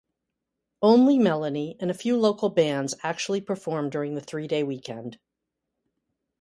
Only Melanie and a few local bands actually performed during the three-day weekend.